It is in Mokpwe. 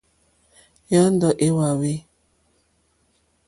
Yɔ́ndɔ̀ é wáwî.